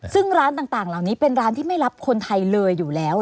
ซึ่งร้านต่างเหล่านี้เป็นร้านที่ไม่รับคนไทยเลยอยู่แล้ว